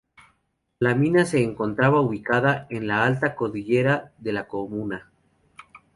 La mina se encontraba ubicada en la alta cordillera de la comuna.